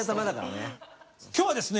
今日はですね